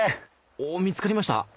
お見つかりました？